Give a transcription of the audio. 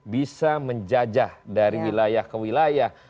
bisa menjajah dari wilayah ke wilayah